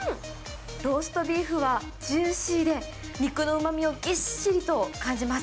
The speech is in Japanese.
ローストビーフはジューシーで、肉のうまみをぎっしりと感じます。